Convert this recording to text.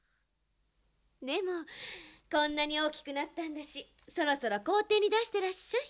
でもこんなにおおきくなったんだしそろそろこうていにだしてらっしゃい。